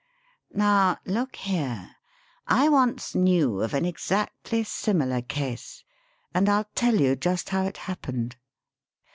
Now, look here! I once knew of an exactly similar case and I'll tell you just how it happened.